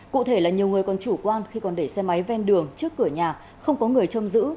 cụ thể là nhiều người còn chủ quan khi còn để xe máy ven đường trước cửa nhà không có người chôm giữ